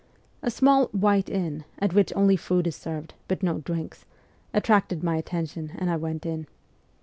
A small ' white inn ' at which only food is served, but no drinks, attracted my attention and I went in.